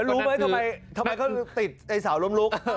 รู้ไหมทำไมเขาติดไอ้เสาล้มลุก